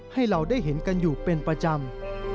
ให้เราได้เห็นกันอยู่เป็นประจำ